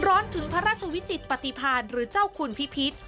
ร้อนถึงพระราชวิจิตปฏิพาณหรือเจ้าคุณพิพิษ